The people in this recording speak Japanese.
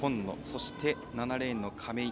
そして７レーンの亀井。